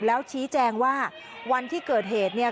แล้วชี้แจงว่าวันที่เกิดเหตุเนี่ย